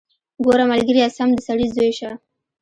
ګوره ملګريه سم د سړي زوى شه.